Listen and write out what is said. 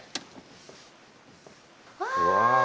うわ！